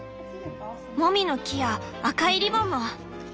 もみの木や赤いリボンも。